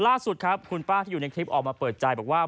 ล่าสุดครับคุณป้าที่อยู่ในคลิปออกมาเปิดใจบอกว่า